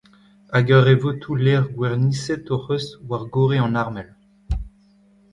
Hag ur re votoù lêr gwerniset hoc’h eus war gorre an armel.